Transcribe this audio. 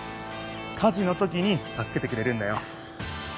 火じのときにたすけてくれるんだよ。